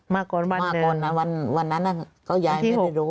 มาก่อนวันหนึ่งมาก่อนอ่ะวันวันนั้นอ่ะเขายายไม่ได้รู้